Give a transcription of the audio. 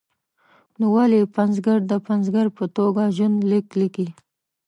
نو ولې پنځګر د پنځګر په توګه ژوند لیک لیکي.